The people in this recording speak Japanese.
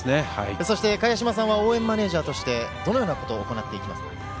茅島さんは応援マネージャーとしてどのようなことを行って行きますか。